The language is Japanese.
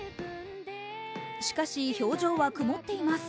しかし、表情は曇っています。